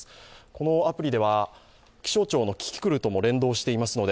このアプリでは気象庁のキキクルとも連動していますので